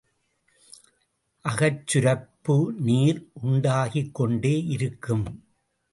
அகச்சுரப்பு நீர் உண்டாகிக்கொண்டே இருக்கும்.